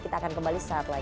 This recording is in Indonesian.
kita akan kembali sesaat lagi